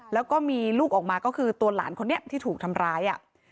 แล้วก็มีลูกออกมาก็คือตัวหลานคนนี้ที่ถูกทำร้าย